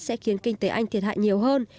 sẽ khiến kinh tế anh thiệt hại nhiều hơn